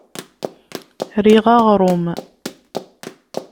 Riɣ aɣrum.